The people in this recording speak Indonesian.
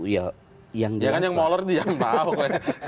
ya kan yang molor di zaman pahok ya